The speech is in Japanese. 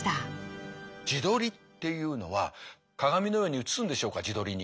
自撮りっていうのは鏡のように映すんでしょうか自撮りに。